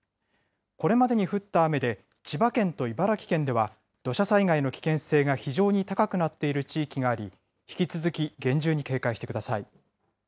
これまでに降った雨で、千葉県と茨城県では土砂災害の危険性が非常に高くなっている地域があり、引き続き厳重に警戒してください。